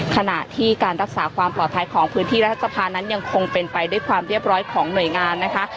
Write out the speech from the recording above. ขณะที่การรักษาความปลอดภัยของพื้นที่รัฐสภานั้นยังคงเป็นไปด้วยความเรียบร้อยของหน่วยงานนะคะ